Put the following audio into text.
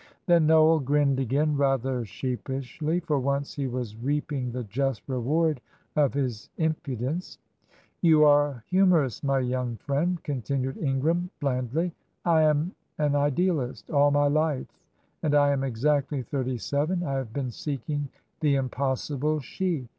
Then Noel grinned again, rather sheepishly. For once he was reaping the just reward of his impudence. "You are a humourist, my young friend," continued Ingram, blandly. "I am an Idealist. All my life and I am exactly thirty seven I have been seeking 'the impossible she.'